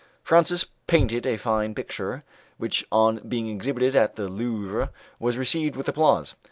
Francis painted a fine picture, which on being exhibited at the Louvre, was received with applause.